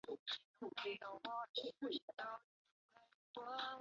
科林蒂安队的主场位于该体育场。